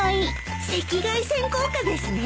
赤外線効果ですね。